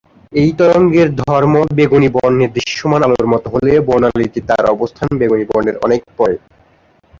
এই তরঙ্গের ধর্ম বেগুনি বর্ণের দৃশ্যমান আলোর মতো হলেও বর্ণালীতে তার অবস্থান বেগুনি বর্ণের অনেক পরে।